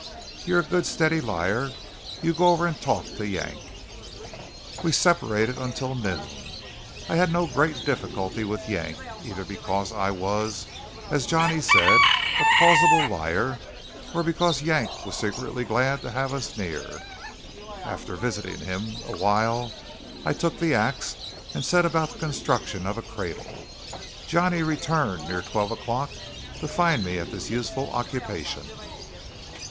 You're a good steady liar; you go over and talk to Yank." We separated until noon. I had no great difficulty with Yank, either because I was, as Johnny said, a plausible liar, or because Yank was secretly glad to have us near. After visiting with him a while I took the axe and set about the construction of a cradle. Johnny returned near twelve o'clock to find me at this useful occupation.